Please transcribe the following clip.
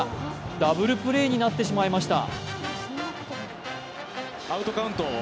ダブルプレーになってしまいました。